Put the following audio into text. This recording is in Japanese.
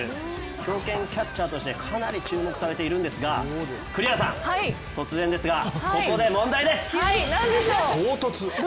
強肩キャッチャーとしてかなり注目されているんですが、栗原さん、突然ですがここで問題です。